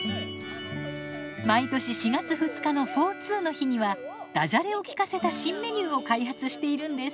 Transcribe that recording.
毎年４月２日のフォーツーの日にはダジャレをきかせた新メニューを開発しているんです。